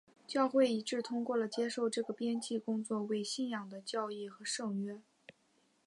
教会一致通过了接受这个编辑工作为信仰的教义和圣约。